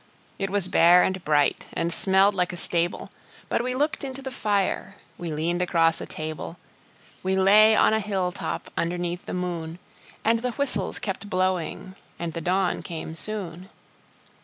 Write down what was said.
It was bare and bright, and smelled like a stable But we looked into a fire, we leaned across a table, We lay on a hilltop underneath the moon; And the whistles kept blowing, and the dawn came soon.